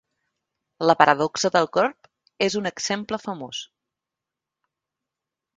La paradoxa del corb és un exemple famós.